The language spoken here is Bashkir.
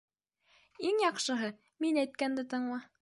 Иң яҡшыһы, мин әйткәнде тыңла.